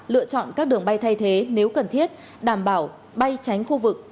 lựa chọn các đường bay thay thế nếu cần thiết đảm bảo bay tránh khu vực